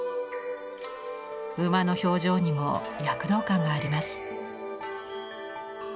馬の表情にも躍動感があります。